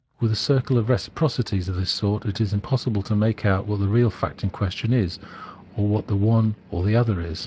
With a circle of reciprocities of this sort it is impossible to make out what the real fact in question is, or what the one or the other is.